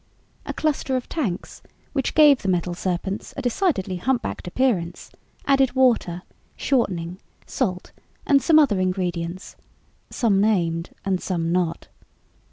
A cluster of tanks which gave the metal serpents a decidedly humpbacked appearance added water, shortening, salt and other ingredients, some named and some not.